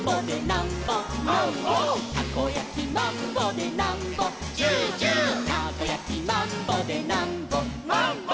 「たこやきマンボでなんぼチューチュー」「たこやきマンボでなんぼマンボ」